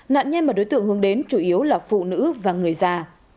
nạn nhân mà đối tượng hướng đến chủ yếu là phụ nữ và người già